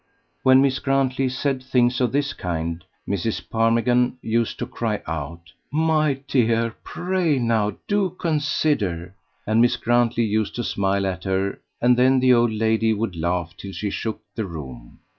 When Miss Grantley said things of this kind Mrs. Parmigan used to cry out, "My dear pray, now do consider." And Miss Grantley used to smile at her, and then the old lady would laugh till she shook the room.